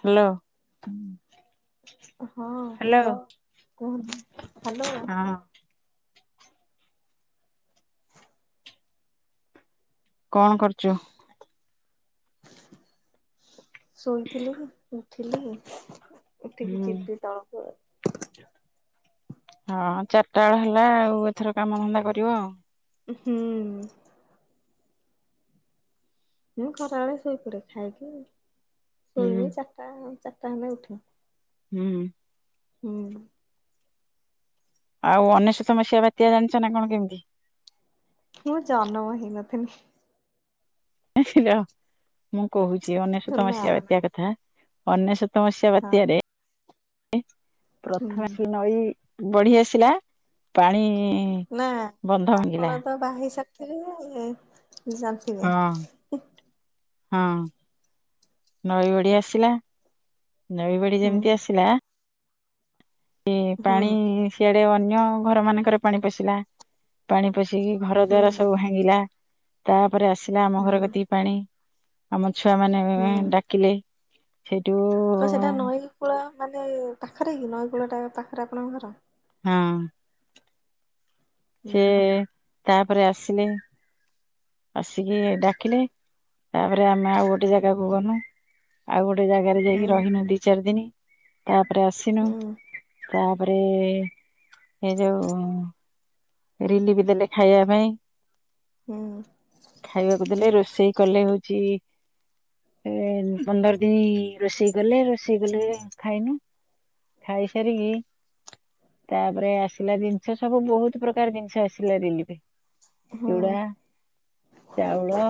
Hello. ହଁ ହଁ। କୁହନ୍ତୁ ହାଲୋ। କଣ କରୁଚୁ? ଶୋଇଥିଲି ଉଠିଲି ଉଠିକି ହୁଁ। ଯିବି ତଳକୁ ଆଉ। ହଁ ଚାରିଟା ବେଳ ହେଲା ଆଉ ଏଥର କାମଧନ୍ଦା କରିବ ଆଉ। ହୁଁ। ମୁଁ ଖରାବେେଳେ ଶୋଇପଡେ ଖାଇକି ହୁଁ ଶୋଇବି ଚାରିଟା- ଚାରିଟା ହେଲେ ଉଠେ। ହୁଁ। ହୁଁ। ଆଉ ଅନେଶତ ମସିହା ବାତ୍ୟା ଜାଣିଚ ନା କଣ କେମିତି? ମୁଁ ଜନମ ହେଇନଥିଲି। ଏଁ-ରହ୍ ମୁଁ କହୁଚି ଅନେଶତ ନା ମସିହା ନା ବାତ୍ୟା କଥା। ଅନେଶତ ମସିହା ହଁ ବାତ୍ୟାରେ ଏ ହୁଁ ପ୍ରଥମେ ସେ ନଈ ବଢି ଆସିଲା ପାଣି ନା ବନ୍ଧ ଭାଙ୍ଗିଲା ଆପଣ ତ ବାହା ହେଇ ସାରିଥିବେ ଉଁ ଜାଣ୍ ହଁ- ହଁ ନଈ ବଢ଼ି ଆସିଲା ନଈ ବଢି ହୁଁ ଯେମିତି ଆସିଲା କି ହୁଁ ପାଣି ସିଆଡେ ଅନ୍ୟ ଘର ମାନଙ୍କରେ ପାଣି ପଶିଲା ପାଣି ପଶିକି ଘର ହୁଁ ଦ୍ଵାର ସବୁ ଭାଙ୍ଗ୍ ଙ୍ଗିଲା ତାପରେ ଆସିଲା ଆମ ହୁଁ ଘର କତିକି ପାଣି। ଆମ ଛୁଆ ମାନେ ହୁଁ ଡାକିଲେ ହେଇଟୁ ତ ସେଟା ନଈକୂଳ ମାନେ ପାଖେରେ କି ନଈକୂଳ ଟା ପାଖେରେ ଆପଣଙ୍କ ଘର? ହଁ। ହୁଁ ସେ ହୁଁ ତାପରେ ଆସିଲେ ଆସିକି ଡାକିଲେ ତାପରେ ଆମେ ଆଉ ଗୋଟେ ଜାଗାକୁ ଗନୁ। ଆଉ ଗୋଟେ ଜାଗାରେ ହୁଁ ଯାଇକି ରହିନୁ ଦି ଚାରି ଦିନି ତାପରେ ଆସିନୁ ହୁଁ ତାପରେ ଏ ଯଉ ରିଲିଫି ଦେଲେ ଖାଇବା ପାଇଁ। ହୁଁ। ଖାଇବାକୁ ଦେଲେ ରୋଷେଇ କଲେ ହଉଚି ଏ ପନ୍ଦର ଦିନି ରୋଷେଇ କଲେ ରୋଷେଇ କଲେ ଖାଇନୁ। ଖାଇ ସାରିକି ତାପରେ ଆସିଲା ଜିନିଷ ସବୁ ବହୁତ୍ ପ୍ରକାର ଜିନିଷ ଆସିଲା ରିଲିଫି ରେ ହୁଁ ଚୁଡା, ଚାଉଳ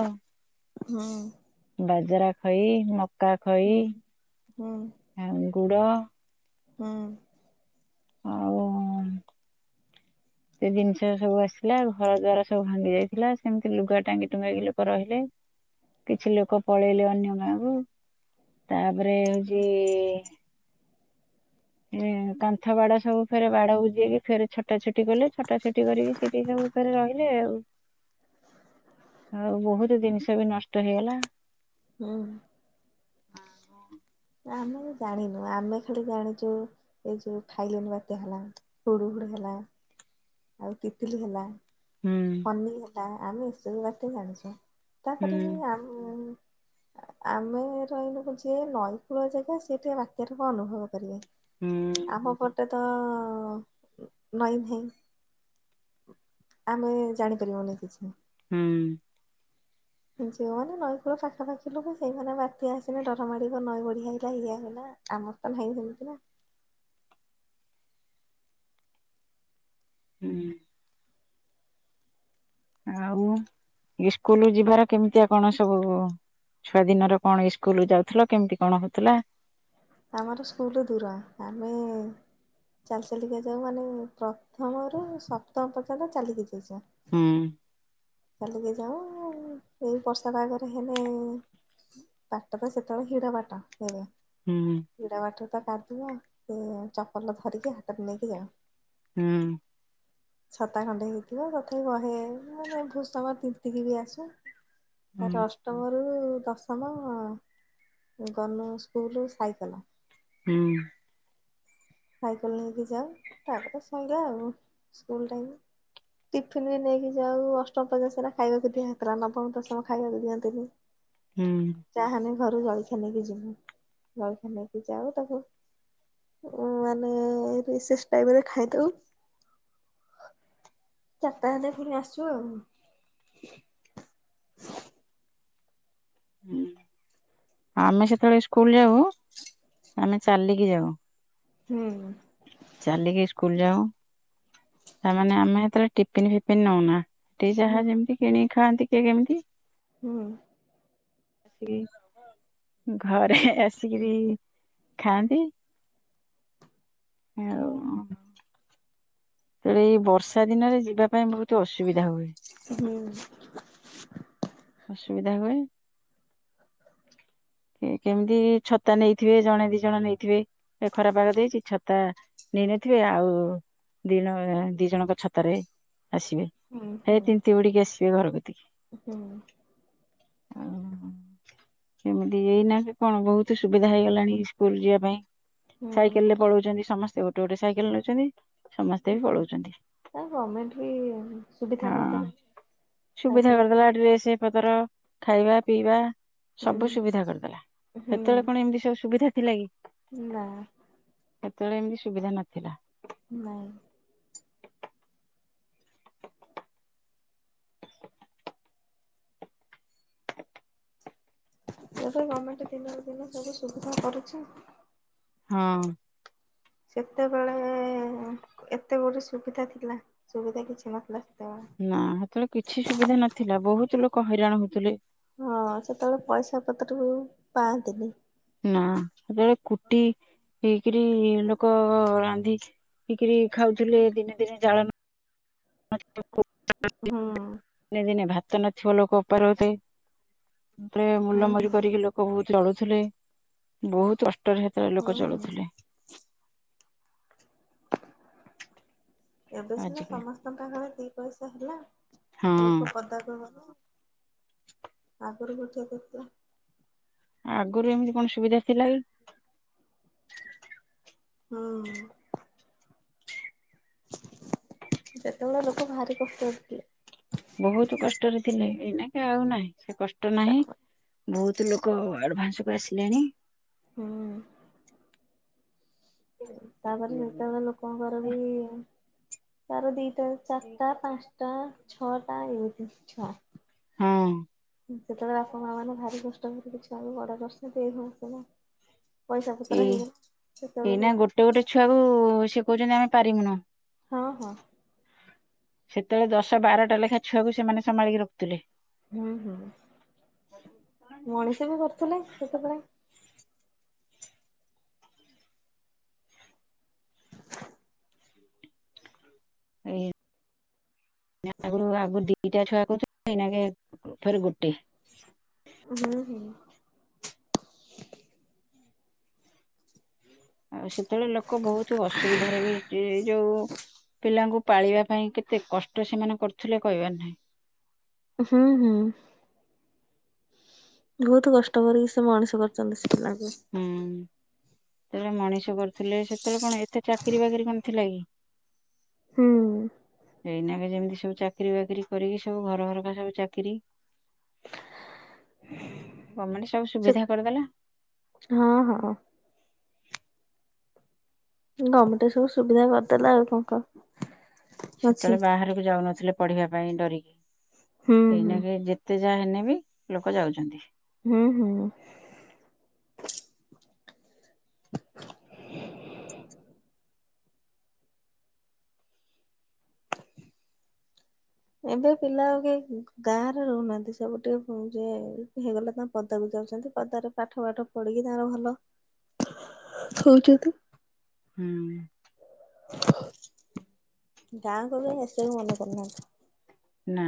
ହୁଁ। ବାଜରା ଖଇ, ମକା ଖଇ, ହୁଁ ଆଉ ଗୁଡ ହୁଁ। ଆଉ ସେ ଜିନିଷ ସବୁ ଆସିଲା ଘର ଦ୍ୱାର ସବୁ ଭାଙ୍ଗି ଯାଇଥିଲା ସେମିତି ଲୁଗା ଟାଙ୍ଗି ଟୁଙ୍ଗାକି ଲୋକ ରହିଲେ କିଛି ଲୋକ ପଳେଇଲେ ଅନ୍ୟ ଗାଁ କୁ ତାପରେ ହଉଚି ଏ କାନ୍ଥ ବାଡ ସବୁ ଫେରେ ବାଡ ବୁଜେଇକି ଫେର୍ ଛଟା ଛଟି କଲେ ଛଟା ଛଟି କରିକି ସେଇଠି ସବୁ ଫେରେ ରହିଲେ ଆଉ। ହଁ ଆଉ ବହୁତ୍ ଜିନିଷ ବି ନଷ୍ଟ ହେଇଗଲା। ହୁଁ। ଆମେ ଜାଣିନୁ ଆମେ ଖାଲି ଜାଣିଚୁ ଏଇ ଯଉ ଫାଇଲିନି ବାତ୍ୟା ହେଲା ହୁଡ୍ ହୁଡ୍ ହେଲା ଆଉ ତିତିଲି ହେଲା ହୁଁ। ହେଲା ଆମେ ଏସବୁ ବାଟ ଜାଣିଚୁ ହୁଁ ତାପରେ ବି ଆମ୍ ଆମେ ରହିଲୁ ଯିଏ ନଈକୂଳ ଜାଗା ସେ ଟିକେ ବାତ୍ୟାର କଣ ଅନୁଭବ କରିବ। ହୁଁ ଆମ ପଟେ ତ ନଈ ନାହିଁ। ଆମେ ଜାଣିପାରିବୁନି କିଛି। ହୁଁ। ଯଉ ମାନେ ନଈକୁଲ ପାଖାପାଖି ଲୋକ ସେଇ ମାନେ ବାତ୍ୟା ଆସିିଲେ ଡ଼ର ମାଡିବ ନଈ ବଢିଆ ଆଇଲା ଇଏ ଆଇଲା। ଆମର ତ ନାହିଁ ସେମିତି ନା। ହୁଁ। ଆଉ ଇସ୍କୁଲ ଯିବାର କେମିତିଆ କଣ ସବୁ। ଛୁଆ ଦିନର କଣ ସ୍କୁଲ ଯାଉଥିଲ କେମିତି କଣ ହଉଥିଲା। ଆମର ସ୍କୁଲ ଦୂର ଆମେ ଚାଲି ଚାଲିକା ଯାଉ ମାନେ ପ୍ରଥମରୁ ସପ୍ତମ ପର୍ଯ୍ୟନ୍ତ ଚାଲିକି ଯାଇଛ ହୁଁ। ଚାାଲିକି ଯାଉ ଏଇ ବର୍ଷା ପାଗରେ ହେଲେ। ବାଟ ତ ସେତେବେଳେ ହିର ବାଟ [unintelligible] ହୁଁ। ପିଢ ବାଟ ତ କାଦୁଅ ସେ ଚପଲ ଧରିକି ହାତରେ ନେଇକି ଯାଅ। ହୁଁ। ଛତା ଖଣ୍ଡେ ହେଇଥିବ ତଥାପି ବହେ ମାନେ ଭୁସ ତିନ ଏତିକି ବି ଆସୁ ହୁଁ ତାର ଅ ଅଷ୍ଟମରୁ ଦଶମ ଗଲୁ ସ୍କୁଲୁ ସାଇକଲ। ହୁଁ। ସାଇକେଲ ନେଇକି ଯାଉ ତାପରେ ଶଇଲା ଆଉ ସ୍କୁଲ ଟାଇମ୍। ଟିଫିନ ବି ନେଇକି ଯାଉ ଅଷ୍ଟମ [unintelligible] ଖାଇବାକୁ ଦିଆ ହେଉଥିଲା ନବମ ଦଶମ ଖାଇବାକୁ ଦିଅନ୍ତିନି। ହୁଁ। ଚାହାନି ଘରୁ ଜଳଖିଆ ନେଇକି ଯିବୁ ଜଳଖିଆ ନେଇକି ଯାଉ ତାକୁ ମାନେ ରେଶେସ୍ ଟାଇମରେ ଖାଇଦଉ। ଚାରିଟା ହେଲେ ପୁଣି ଆସୁ ଆଉ। ହୁଁ। ଆମେ ସେତେବେଳେ ସ୍କୁଲ ଯାଉ ଆମେ ଚାଲିକି ଯାଉ। ହୁଁ। ଚାଲିକି ସ୍କୁଲ ଯାଉ ତାମାନେ ଆମେ ହେତେବେଳେ ଟିଫିନ ଫିଫିନ ନଉନା। ହୁଁ ଯାହା ଯେମିତି କିଣିି ଖାଆନ୍ତି କିଏ କେମିତି। ହୁଁ। ଘରେ ଆସିକିରି ଖାଆନ୍ତି। ଆଉ। ରେ ଏଇ ବର୍ଷା ଦିନରେ ଯିବା ପାଇଁ ବହୁତ ଅସୁବିଧା ହୁଏ। ହୁଁ। ଅସୁବିଧା ହୁଏ କେମିତି ଛ ତା ନେଇଥିବେ ଜଣେ ଦି ଜଣ ନେଇଥିବେ ଖରାପାଗ ଦେଇଛି ଛତ ଛତା ନେଇନଥିବେ ଆଉ ଦି ଜଣ ଦି ଜଣଙ୍କ ଛତାରେ ଆସିବେ। ହୁଁ ହୁଁ ହେଇ ତିନ୍ତି ବୁଡିକି ଆସିବେ ଘରକତିକି। ହୁଁ। ଓହୋ କେମିତି ଏଇନା କି କଣ ବହୁତ ସୁବିଧା ହେଇଗଲାଣି ସ୍କୁଲ ଯିବା ପାଇଁ। ସାଇକେଲ ରେ ହୁଁ। ପଳଉଛନ୍ତି ସମସ୍ତେ ଗୋଟେ ଗୋଟେ ସାଇକେଲ ନଉଛନ୍ତି। ହୁଁ ଗମେଣ୍ଟ ବି ସୁବିଧା ହଁ କରିଦେଲେ। ସୁବିଧା କରିଦେଲା ଡ୍ରେସ ପତର ଖାଇବା ପିଇବା। ହୁଁ ସବୁ ସୁବିଧା କରିଦେଲା ହୁଁ ହେତେବେଳେ କଣ ଏମିତି ସବୁ ସୁବିଧା ଥିଲା କି। ନା। ହେତେବେଳେ ଏମିତି ସୁବିଧା ନଥିଲା। ନାଇଁ। ଏଭେ ଗମେଣ୍ଟ ଦିନକୁ ଦିନ ସବୁ ସୁବିଧା କରୁଛି। ହଁ। ସେତେବେଳେ ଏତେ ଗୋଟେ ସୁବିଧା ଥିଲା ସୁବିଧା କିଛି ନଥିଲା। ସେତେବେଳେ ନା ସେତେବେଳେ କିଛି ସୁବିଧା ନଥିଲା ବହୁତ ଲୋକ ହଇରାଣ ହଉଥିଲେ। ହଁ ସେତେବେଳେ ପଇସାପତ୍ରକୁ ପାଆନ୍ତିନି ନା ସେତେବେଳେ କୁଟି ହେଇକିରି ଲୋକ ରାନ୍ଧି ହେଇକରି ଖାଉଥିଲେ ଦିନେ ଦିନେ ଜାଳ [unintelligible] ହୁଁ। ଦିନେ ଦିନେ ଭାତ ନଥିବ ଲୋକ ଉପା ରହୁଥିବେ ତାପରେ ହୁଁ ମୁଲମୁଲି କରିକି ଲୋକ ବହୁତ ଚଳୁଥିଲେ ବହୁତ କଷ୍ଟରେ ସେତବେଳେ ହୁଁ ଲୋକ ହୁଁ ଚଳୁଥିଲେ। ଏବେ ସିନା ଆଜିକାଲି ସମସ୍ତଙ୍କ ପାଖରେ ଦି ପଇସା ହେଲା। ହଁ ଲୋକ ପଦା କ ଆଗରୁ କରିଚ ତତୁଆ ଆଗରୁ ଏମିତି କଣ ସୁବିଧା ଥିଲା କି ହୁଁ [unintelligible] ସେତେବେଳେ ଲୋକ ବାହାରି କଷ୍ଟରେ ଥିଲେ ବହୁତ କଷ୍ଟରେ ଥିଲେ ଏଇନାକ ଆଉ ନାହିଁ ସେ କଷ୍ଟ ନାହିଁ ବହୁତ ଲୋକ ଆଡଭାନ୍ସକୁ ଆସିଲେଣି ହୁଁ। ତାପରେ ସେତେବେଳେ ଲୋକଙ୍କର ବି ସାର ଦିଟା ଚାରଟା, ପାଞ୍ଚଟା, ଛଅଟା, ଏମିତି ଛଅ ହଁ। ସେତେବେଳେ ବାପା ମା ମାନେ ଭାରି କଷ୍ଟ କରି ଛୁଆ କୁ ବଡ଼ କରିଛନ୍ତି। ଏଇ ମଶନ ପଇସା ପତ୍ର ହେଇ ସେତେବେଳେ ପଇସା ଛୁଆକୁୁ ସେ କହୁଛନ୍ତି ଆମେ ପାରିବୁନୁ। ହଁ ହଁ। ସେତେବେଳେ ଦଶ ବାରଟା ଲେଖା ଛୁଆକୁ ସେମାନେ ସମ୍ଭାଳିକି ରଖୁଥିଲେ। ହୁଁ ହୁଁ ମଣିଷ ବି କରୁଥିଲେ, ସେତେବେଳେ। [unintelligible] ଆଗରୁ ଆଗରୁ ଦି ଦିଟା ଛୁଆ କରୁଥିଲେ କି ନାହିଁ ଏବେ ଫେରେ ଗୋଟେ [unintelligible] ଆଉ ସେତେବେଳେ ଲୋକ ବହୁତ ଅସୁବିଧାରେ ବି ସେ ଯୋଉ ପିଲାଙ୍କୁ ପାଳିବା ପାଇଁ କେତେ କଷ୍ଟ ସେମାନେ କରୁଥିଲେ କହିବାର ନାହିଁ। ହୁଁ ହୁଁ। ବହୁତ କଷ୍ଟ କରିକି ସେ ମଣିଷ କରିୁଛନ୍ତି ସେ ପିଲାକୁ। ହୁଁ ସେତେବେଳେ ମଣିଷ କରୁଥିଲେ ସେତେବେଳେ କଣ ଏତେ ଚାକିରିୀ ବାକିରି କଣ ଥିଲା କି? ହୁଁ। ଏଇନାକେ ଯେମିତି ସବୁ ଚାକିରି ବାକିରି କରିକି ସବୁ ଘର ଘରକା ସବୁ ଚାକିରି। ଗମେଣ୍ଟ ସବୁ ସେ ସୁବିଧା କରିଦେଲା। ହଁ ହଁ। ଗମେଣ୍ଟ ସବୁ ସୁବିଧା କରିଦେଲା ଆଉ କଣ କ ସେତେବେଳେ ବାହାରକୁ ଯାଉନଥିଲେ ପଢିବା ପାଇଁ ଡରିକି। ହୁଁ ହୁଁ ଏଇନା କେ ଯେ ଏତେ ଯାହା ହେଲେ ବି ଲୋକ ଯାଉଛନ୍ତି। ହୁଁ ହୁଁ। [inaudible] ଏବେ ପିଲା ଆଉ କି ଗାଁ ରେ ରହୁନାହାନ୍ତି ସବୁ ଟିକେ ଯ ହେଇଗଲା ତା ପଦାକୁ ଯାଉଛନ୍ତି ପଦାରେ ପାଠ ବାଠ ପଢିକି ତାର ଭଲ ହଉଛନ୍ତି। ହୁଁ। ଗାଁ କୁ ଆଉ ଆସିବାକୁ କେହି ମନ କରୁନାହାନ୍ତି। ନା।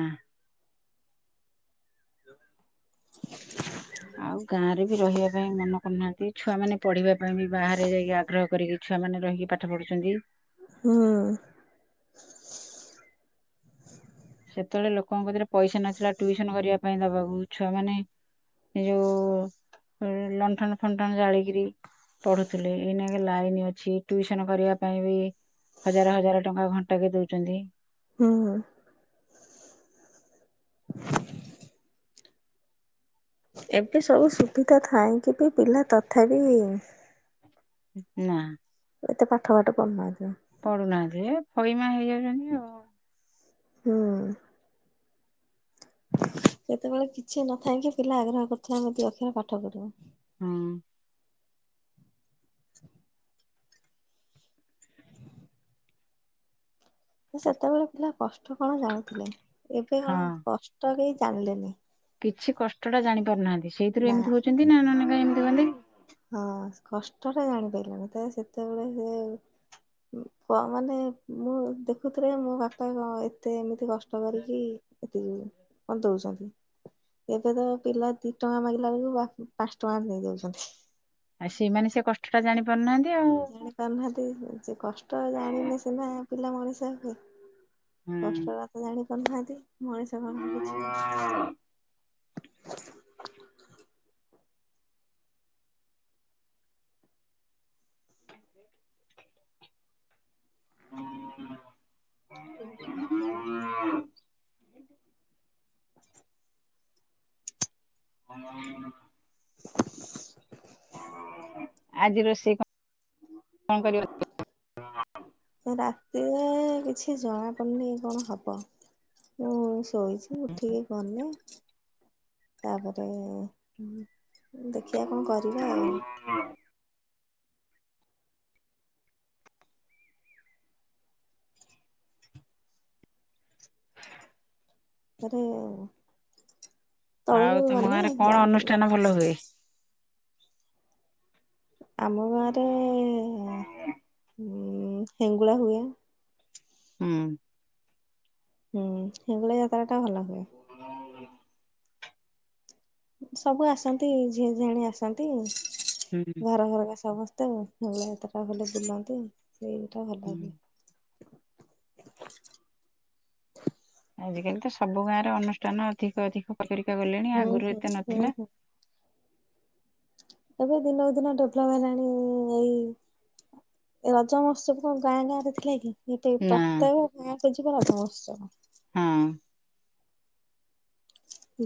[inaudible] ଆଉ ଗାଁରେ ବି ରହିବା ପାଇଁ ମନ କରୁନାହାଁନ୍ତି ଛୁଆମାନେ ପଢ଼ିବା ପାଇଁ ବି ବାହାରେ ଯାଇକି ଆଗ୍ରହ କରିକି ଛୁଆମାନେ ରହିି କି ପାଠ ପଢ଼ୁଛନ୍ତି। ହୁଁ। ସେତେବେଳେ ଲୋକଙ୍କ ପାଖରେ ପଇସା ନଥିଲା ଟ୍ଯୂସନ କରିବା ପାଇଁ ଦବାକୁ ଛୁଆମାନେ ଏ ଯୋଉ ଲଣ୍ଠନ ଫଣ୍ଟନ ଜାଳିକିରି ପଢୁଥିଲେ। ଏଇନା ଲାଇନ ଅଛି ଟିଉସନ କରିବା ପାଇଁ ବି ହଜାର ହଜାର ଟଙ୍କା ଘଣ୍ଟା କେ ଦଉଛନ୍ତି। ହୁଁ। ଏବେ ସବୁ ସୁବିଧା ଥାାଇଁ କି ବି ପିଲା ତଥାପ ନା। ଏତେ ପାଠ ବାଠ ପଢୁନାହାନ୍ତି ଆଉ। ପଡୁନାହାନ୍ତି ଫଇମା ହେଇଯାଉଛନ୍ତି ଆଉ। ହୁଁ। ସେତେବେଳେ କିଛି ନଥାାଇ କିି ପିଲା ଆଗ୍ରହ କରିୁଥିଲେ ଆମେ ଦିଅକ୍ଷର ପାଠ ପଢି ବୁ। ହଁ। ସେତେବେଳେ ପିଲା କଷ୍ଟ କଣ ଜାଣୁଥିଲେ ଏବେ କଣ ହଁ। କଷ୍ଟ କେହି ଜାଣିଲେନି। କିଛି କଷ୍ଟଟା ଜାଣି ପାରୁନାହାନ୍ତି ସେଇଥିରୁ ନା ଏମିତି ହଉଛନ୍ତି ନା ନହଲେ କାଇଁ ଏମିତି ହୁଅନ୍ତି କି। ହଁ କଷ୍ଟ ଟା ଜାଣି ପାରିବନି ତ ସେତେବେଳେ ହୁଏ। କ ମାନେ ମୁଁ ଦେଖୁଥିଲି ମୋ ବାପା କଣ ଏତେ ଏମିତି କଷ୍ଟ କରିକି। ଏତିକି କଣ ଦଉଛନ୍ତି ଏବେ ତ ପିଲା ଦି ଟଙ୍କା ମାଗିଲା ବେଳକୁ ପାଞ୍ଚ ଟଙ୍କା ଦେ। ଆଉ ସେମାନେ ସେ କଷ୍ଟ ଟା ଜାଣି ପାରୁନାହାନ୍ତି ଆଉ। ଜାଣି ପାରୁନାହାନ୍ତି ସେ କଷ୍ଟ ଜାଣିଲେ ସିନା ପିଲା ମଣିଷ ହେବେ। କଷ୍ଟ ହୁଁ। ଟା ଏତେ ଜାଣିପାରୁନାହାନ୍ତି ମଣିଷ କଣ କିଛି [inaudible] [inaudible] [inaudible] ଆଜି ରୋଷେଇ କଣ କଣ କରିବା? ରାତିରେ କିଛି ଜଣା ପଡିନି କଣ ହବ? ମୁଁ ଶୋଇଛି ଉଠିକି ଗଲେ ତାପରେ ଦେଖିଆ କଣ କରିବା ଆଉ। [inaudible] ଘରେ ଆଉ ଆଉ ତଳୁକୁ ତମ ଗଲେ ଗାଁରେ କଣ ଜଣା ଅନୁଷ୍ଠାନ ଭଲ ପଡିବ। ହୁଏ? ଆମ ଗାଁରେ ଉ ହେଙ୍ଗୁଳା ହୁଏ। ହୁଁ ହୁଁ ହେଙ୍ଗୁଳା ଯାତ୍ରା ଟା ଭଲ ହୁଏ। [inaudible] ସବୁ ଆସନ୍ତି ଝିଅ ଝୁଆଣି ଆସନ୍ତି ହୁଁ ଘର ଘରକା ସମସ୍ତେ ଆଉ ମୋ ଭଳିଆ ଏତଟା ଭଲେ ବୁଲାନ୍ତି ଆଉ ସେଇଟା ଭଲ ହୁଁ। ହୁଏ। ଆଜିକାଲି ତ ସବୁ ଗାଁରେ ଅନୁଷ୍ଠାନ ଅଧିକ ଅଧିକ ଉପରକୁ ହେରିକା ଗଲେଣି ହୁଁ ଆଗରୁ ହୁଁ ଏତେ ହୁଁ ନଥିଲା। ହୁଁ ଏବେ ଦିନକୁ ଦିନ ଡେଭଲପ ହେଲାଣି ଏଇ ରଜ ମହୋତ୍ସବ କଣ ଗାଁ ଗାଁ ରେ ଥିଲା କି ଏବେ ନା ପ୍ରତ୍ୟେକ ଗାଁକୁ ଯିବ ରଜ ମହୋତ୍ସବ। ହଁ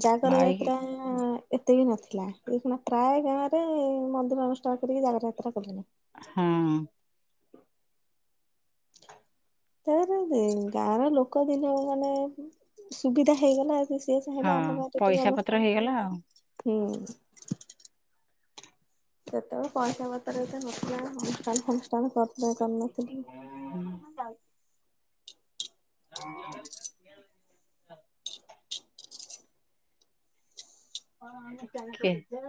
ଜାଗର ମାଇକି ଯାତ୍ରା ଏତେ ବି ନଥିଲା ପ୍ରାୟ ଗାଁ ରେ ମନ୍ଦିର ଅନୁଷ୍ଠାନ କରିକି ଜାଗର ଯାତ୍ରା କଲେଣି। ହଁ ତାର ଗାଁର ଲୋକ ଦିନ ମାନେ ସୁବିଧା ହେଇଗଲା। ସେ ଚାହିଁଲେ ହଁ ଆମ ଗାଁରେ ଟିକେ ପଇସା ପତ୍ର ଅନୁଷ୍ଠାନ ହେଇଗଲା ଖୋଲା ଆଉ। ହବ। ସେତେବେଳେ ପଇସା ପତ୍ର ଏତେ ଅନୁଷ୍ଠାନ ଫାନୁଷ୍ଠାନ କରିୁନଥିଲେ। [inaudible] କିଏ?